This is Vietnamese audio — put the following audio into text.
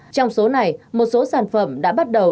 trong số này một số sản phẩm đã bắt đầu